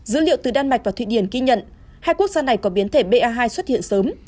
dữ liệu từ đan mạch và thụy điển ghi nhận hai quốc gia này có biến thể ba hai xuất hiện sớm